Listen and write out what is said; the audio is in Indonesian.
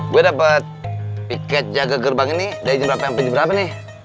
gue dapet piket jaga gerbang ini dari jam berapa sampai jam berapa nih